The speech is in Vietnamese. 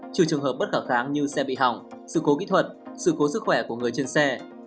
trừ trường hợp bất ngờ kháng như xe bị hỏng sự cố kỹ thuật sự cố sức khỏe của người trên xe